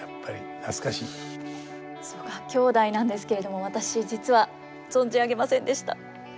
曽我兄弟なんですけれども私実は存じ上げませんでした。